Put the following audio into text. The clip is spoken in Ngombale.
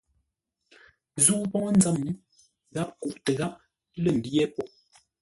Zə̂u póu nzə́m, gháp kuʼtə gháp lə̂ mbyé po.